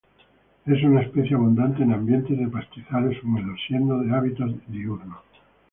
Es una especie abundante en ambientes de pastizales húmedos, siendo de hábitos diurnos.